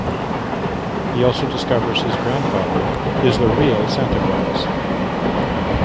He also discovers his grandfather is the real Santa Claus.